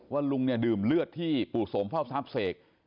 ลุงเนี่ยดื่มเลือดที่ปู่สมพ่อทรัพย์เสก